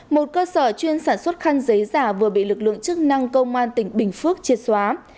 một cơ sở chuyên sản xuất khăn giấy giả vừa bị lực lượng chức năng công an tỉnh bình phước triệt xóa